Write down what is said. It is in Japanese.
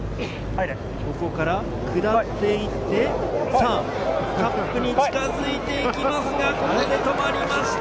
ここから下っていって、カップに近づいていきますが、ここで止まりました。